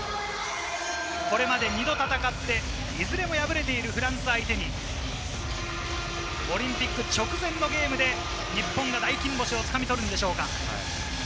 これまで２度戦って、いずれも敗れているフランス相手にオリンピック直前のゲームで日本が大金星を掴み取るんでしょうか。